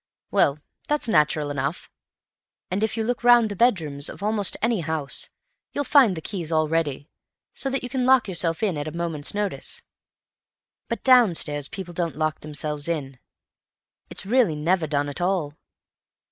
Well, that's natural enough. And if you look round the bedrooms of almost any house, you'll find the keys all ready, so that you can lock yourself in at a moment's notice. But downstairs people don't lock themselves in. It's really never done at all.